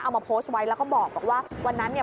เอามาโพสต์ไว้แล้วก็บอกว่าวันนั้นเนี่ย